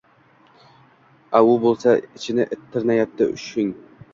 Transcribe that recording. A u bo‘lsa… Ichini it timdalayapti ushshg.